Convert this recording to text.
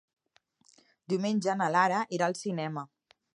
Diumenge na Lara irà al cinema.